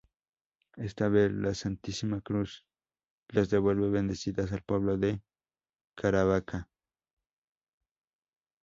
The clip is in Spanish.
Esta vez, la Santísima Cruz las devuelve bendecidas al pueblo de Caravaca.